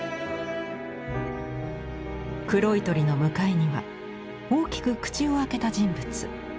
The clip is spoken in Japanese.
黒い鳥の向かいには大きく口を開けた人物。